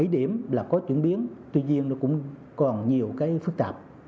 bảy điểm là có chuyển biến tuy nhiên còn nhiều phức tạp